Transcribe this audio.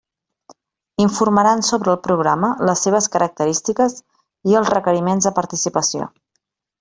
Informaran sobre el programa, les seves característiques i els requeriments de participació.